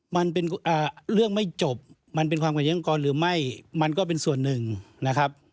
มันเป็นเรื่องไม่จบมันเป็นความขัดแย้งกรหรือไม่มันก็เป็นส่วนหนึ่งนะครับ